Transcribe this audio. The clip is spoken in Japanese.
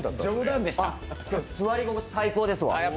座り心地、最高ですわ。